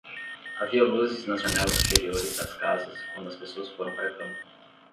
Havia luzes nas janelas superiores das casas quando as pessoas foram para a cama.